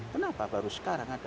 kenapa baru sekarang ada